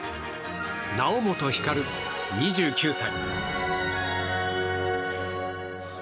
猶本光、２９歳。